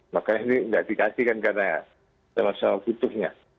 makanya ini tidak dikasih kan karena sama sama butuhnya